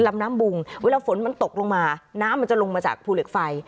ลำน้ำบุงเวลาฝนมันตกลงมาน้ำมันจะลงมาจากภูเหล็กไฟ